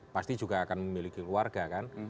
pasti juga akan memiliki keluarga kan